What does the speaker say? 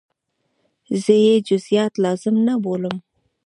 زه یې جزئیات لازم نه بولم.